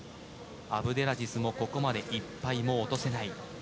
アブデラジズもここまで１敗もう落とせない。